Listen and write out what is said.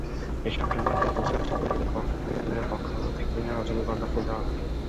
এসব ট্রেনের প্রত্যেক যাত্রীকে রেলের পক্ষ থেকে রজনীগন্ধা ফুল দেওয়া হয়।